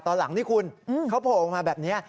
ตอนหลังนี่คุณเขาโผล่ออกมาแบบนี้